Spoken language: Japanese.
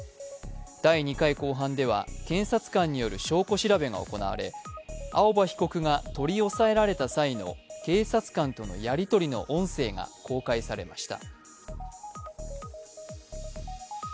第２回公判では検察官による証拠調べが行われ青葉被告が取り押さえられた際の警察官とのやり取りの音声が公開されました。